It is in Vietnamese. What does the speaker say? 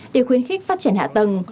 để khuyến khích phát triển hạ tầng